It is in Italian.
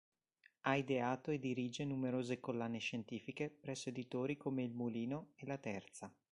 Ha ideato e dirige numerose collane scientifiche presso editori come il Mulino e Laterza.